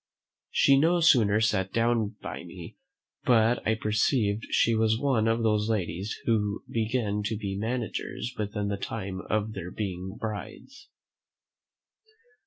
She no sooner sat down by me but I perceived she was one of those ladies who begin to be managers within the time of their being brides.